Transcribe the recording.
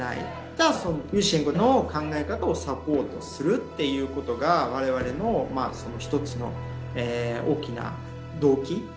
じゃあそのユーシェンコの考え方をサポートするっていうことが我々の一つの大きな動機。